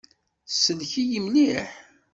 Tsellek-iyi mliḥ.